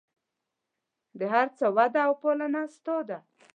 د هر څه وده او پالنه ستا ده.